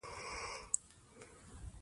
مارانو پکې ژر ژر پوستکي اچول.